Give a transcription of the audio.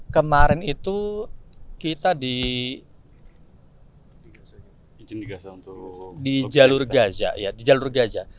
kemarin itu kita di jalur gaza